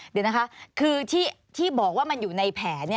เดี๋ยวนะคะคือที่บอกว่ามันอยู่ในแผน